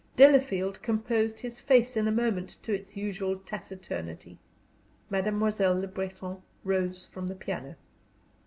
Delafield composed his face in a moment to its usual taciturnity. Mademoiselle Le Breton rose from the piano.